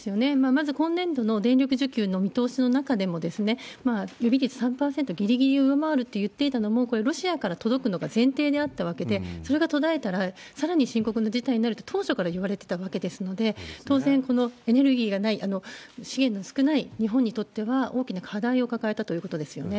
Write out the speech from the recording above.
まず今年度の電力需給の見通しの中でも、予備率３％、ぎりぎりを上回るって言っていたのも、これ、ロシアから届くのが前提にあったわけで、それが途絶えたら、さらに深刻な事態になると、当初からいわれてたわけですので、当然、このエネルギーがない、資源の少ない日本にとっては、大きな課題を抱えたということですよね。